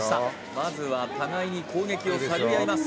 まずは互いに攻撃を探り合います